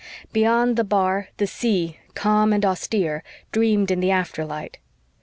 Beyond the bar the sea, calm and austere, dreamed in the afterlight.